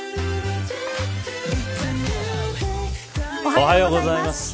おはようございます。